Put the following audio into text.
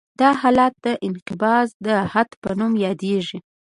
دا حالت د انقباض د حد په نوم یادیږي